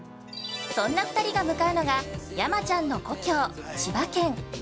そんな２人が向かうのが山ちゃんの故郷、千葉県。